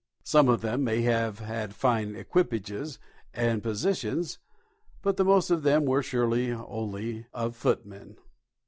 Some of them may have had fine equipages and postilions, but the most of them were sure only of footmen.